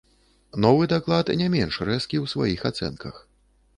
Новы даклад не менш рэзкі ў сваіх ацэнках.